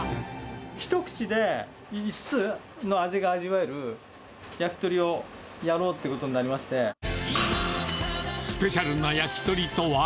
一串で５つの味が味わえる焼き鳥をやろうってことになりましスペシャルな焼き鳥とは。